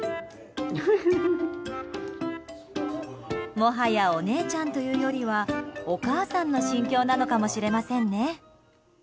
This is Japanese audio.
もはや、お姉ちゃんというよりはお母さんの心境なのかもしれませんね。